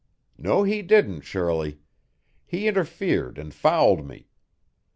"No, he didn't, Shirley. He interfered and fouled me.